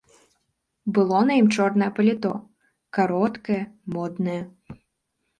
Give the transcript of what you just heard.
Было на ім чорнае паліто, кароткае, моднае.